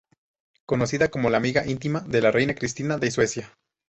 Conocida como la amiga íntima de la reina Cristina de Suecia.